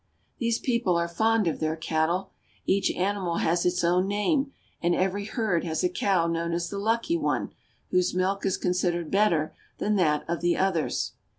These people are fond of their cattle. Each animal has its own name, and ev ery herd has a cow known as the lucky one, whose milk is considered better ^'"^''^^■" than that of the others.